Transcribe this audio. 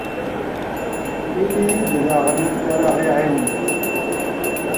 Ini-yi-d daɣen anta ara ɣ-iɛiwnen.